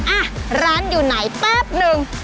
อ่ะร้านอยู่ไหนแป๊บนึง